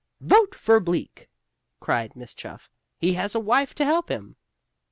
"Vote for Bleak," cried Miss Chuff "He has a wife to help him."